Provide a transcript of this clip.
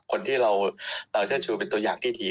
คนที่เราเชื่อชูเป็นตัวอย่างดี